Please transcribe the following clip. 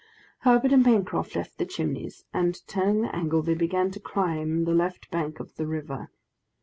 Herbert and Pencroft left the Chimneys, and, turning the angle, they began to climb the left bank of the river.